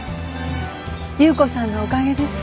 優子さんのおかげです。